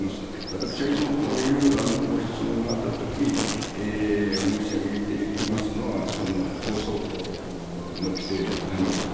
私はいつもこういうご質問があったとき、申し上げていますのは、放送法の規定でございます。